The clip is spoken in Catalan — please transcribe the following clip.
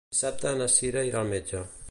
Dissabte na Cira irà al metge.